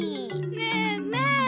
ねえねえ！